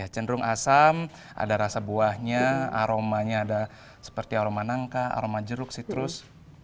cenderung asam ada rasa buahnya aromanya ada seperti aroma nangka aroma jeruk sitrus